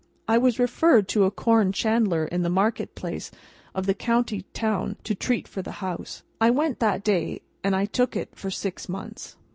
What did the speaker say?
I was referred to a corn chandler in the market place of the county town to treat for the house. I went that day, and I took it for six months.